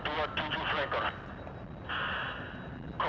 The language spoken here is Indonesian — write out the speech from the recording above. dengan segenap jiwa dan raga